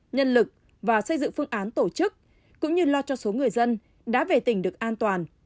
nhân lực và xây dựng phương án tổ chức cũng như lo cho số người dân đã về tỉnh được an toàn